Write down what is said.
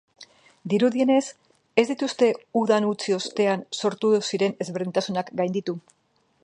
Dirudienez, ez dituzte udan utzi ostean sortu ziren ezberdintasunak gainditu.